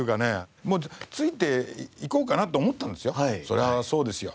そりゃあそうですよ。